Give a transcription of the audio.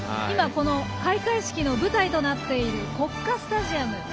今、開会式の舞台となっている国家スタジアム。